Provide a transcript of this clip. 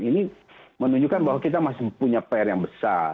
ini menunjukkan bahwa kita masih punya pr yang besar